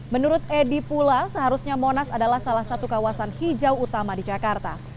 menurut edi pula seharusnya monas adalah salah satu kawasan hijau utama di jakarta